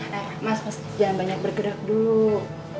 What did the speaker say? nah mas jangan banyak bergerak dulu